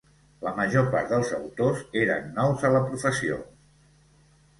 La major part dels autors eren nous a la professió.